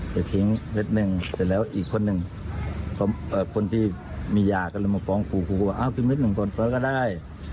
แต่เท๊ฐิงนึกสิแล้วอีกคนนึงมันเป็นคนที่มียาก็เลยมาฟ้องคูวว่าพี่มิจริงมีก่อนก็ได้